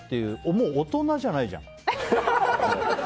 もう大人じゃないじゃん。